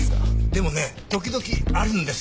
でもね時々あるんですよ。